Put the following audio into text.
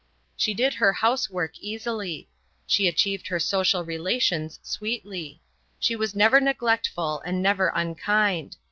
She did her housework easily; she achieved her social relations sweetly; she was never neglectful and never unkind.